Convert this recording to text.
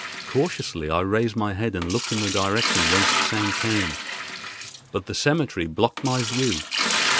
Cautiously I raised my head and looked in the direction whence the sound came; but the cemetery blocked my view.